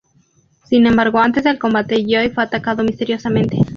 Sin embargo antes del combate, Joe fue atacado misteriosamente.